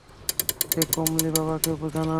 এই কমলি, বাবাকে বুঝা না।